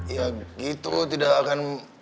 ya gitu tidak akan